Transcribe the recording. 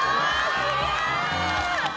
すげえ！